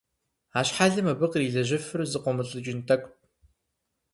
А щхьэлым абы кърилэжьыфыр зыкъуэмылӀыкӀын тӀэкӀут.